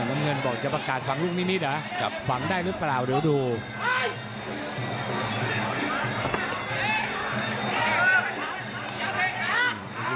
น้ำเงินบอกจะประกาศฝั่งลูกนิมิตเหรอฝังได้หรือเปล่าเดี๋ยวดู